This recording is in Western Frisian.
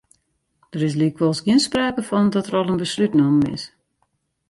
Der is lykwols gjin sprake fan dat der al in beslút nommen is.